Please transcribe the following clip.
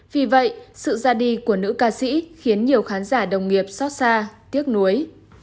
vì vậy sự ra đi của nữ ca sĩ khiến nhiều khán giả đồng nghiệp xót xa tiếc nuối